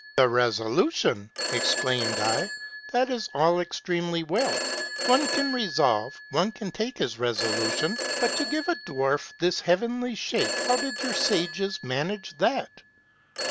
"'The resolution!' exclaimed I, 'that is all extremely well. One can resolve, one can take his resolution ; but, to give a dwarf this heavenly shape, how did your sages man age that